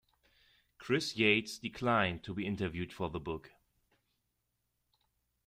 Chris Yates declined to be interviewed for the book.